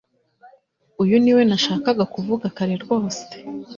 uyu niwo nashakaga kuva kare rwose